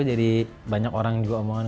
jadi banyak orang juga omongan